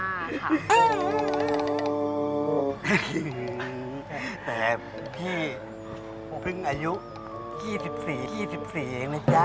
แต่พี่พึ่งอายุ๒๔เองนะจ้ะ